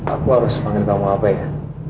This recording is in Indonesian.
aku harus panggil kamu apa ya